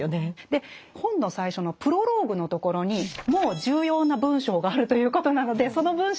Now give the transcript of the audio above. で本の最初のプロローグのところにもう重要な文章があるということなのでその文章から見ていこうと思います。